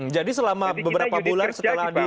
jadi selama beberapa bulan setelah di